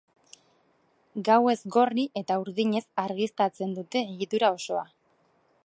Gauez gorri eta urdinez argiztatzen dute egitura osoa.